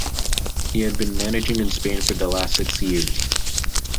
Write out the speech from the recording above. He had been managing in Spain for the last six years.